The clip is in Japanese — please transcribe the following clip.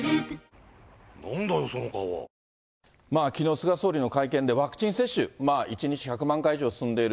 菅総理の会見でワクチン接種、１日１００万回以上進んでいる。